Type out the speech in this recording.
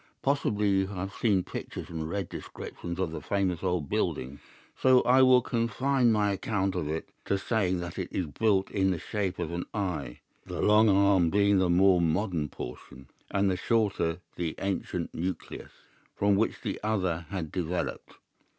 Possibly you have seen pictures and read descriptions of the famous old building, so I will confine my account of it to saying that it is built in the shape of an L, the long arm being the more modern portion, and the shorter the ancient nucleus, from which the other had developed.